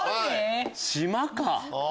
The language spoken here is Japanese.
島か！